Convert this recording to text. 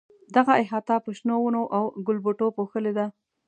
دغه احاطه په شنو ونو او ګلبوټو پوښلې ده.